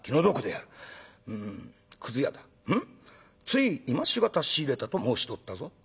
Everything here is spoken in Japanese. つい今し方仕入れたと申しておったぞ。